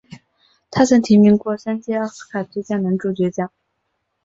他曾提名过三项奥斯卡最佳男主角奖。